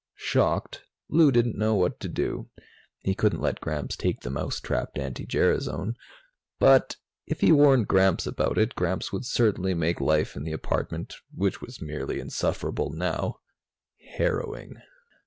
Shocked, Lou didn't know what to do. He couldn't let Gramps take the mousetrapped anti gerasone but, if he warned Gramps about it, Gramps would certainly make life in the apartment, which was merely insufferable now, harrowing.